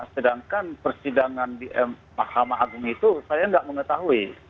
sedangkan persidangan di mahkamah agung itu saya tidak mengetahui